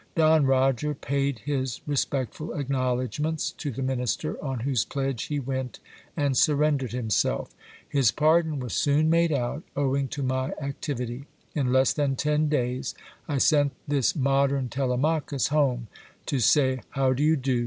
Don Roger paid his respectful acknowledgments to the minister, on whose pledge he went and surrendered himself. His pardon was =ooa made out, owing to my activity. In less than ten days, I sent this modern Telemachus home, to say "how do you do?"